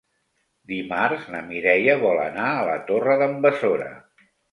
Dimarts na Mireia vol anar a la Torre d'en Besora.